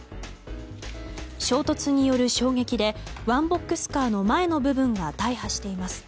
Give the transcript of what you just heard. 衝突による衝撃でワンボックスカーの前の部分が大破しています。